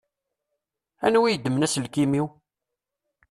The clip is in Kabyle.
Anwa i yeddmen aselkim-iw?